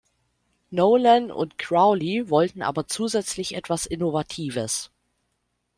Nolan und Crowley wollten aber zusätzlich etwas Innovatives.